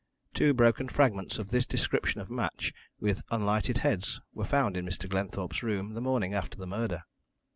Two broken fragments of this description of match, with unlighted heads, were found in Mr. Glenthorpe's room the morning after the murder.